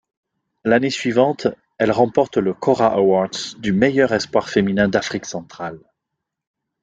L'année suivante, elle remporte le Kora Awards du meilleur espoir féminin d'Afrique centrale.